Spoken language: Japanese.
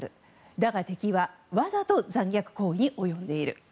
だが敵はわざと残虐行為に及んでいる。